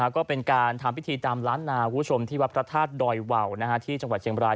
ก็เป็นการทำพิธีตามล้านนาคุณผู้ชมที่วัดพระธาตุดอยวาวที่จังหวัดเชียงบราย